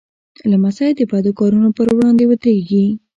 لمسی د بد کارونو پر وړاندې ودریږي.